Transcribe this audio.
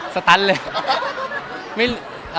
สตันเลย